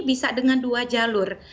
bisa dengan dua jalur